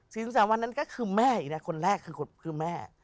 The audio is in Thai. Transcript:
ถึงสามวันนั้นก็คือแม่อีกนะคนแรกคือแม่